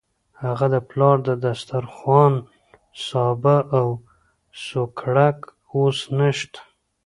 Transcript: هغه د پلار د دسترخوان سابه او سوکړک اوس نشته.